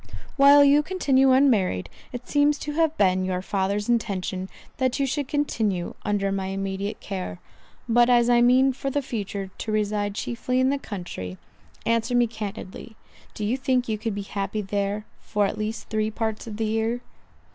"While you continue unmarried, it seems to have been your father's intention that you should continue under my immediate care; but as I mean for the future to reside chiefly in the country—answer me candidly, do you think you could be happy there, for at least three parts of the year?"